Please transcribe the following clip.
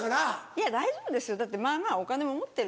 いや大丈夫ですよだってまぁまぁお金も持ってるし。